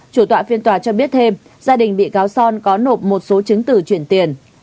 chủ tọa phiên tòa cho biết thêm gia đình bị cáo son có nộp một số chứng từ chuyển tiền